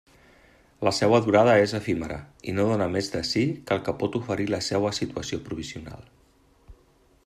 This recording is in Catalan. La seua durada és efímera i no dóna més de si que el que pot oferir la seua situació provisional.